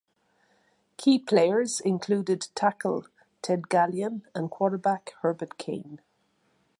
Key players included tackle Ted Gallion and quarterback Herbert Cain.